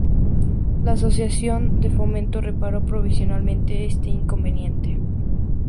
La Asociación de Fomento reparó provisoriamente este inconveniente.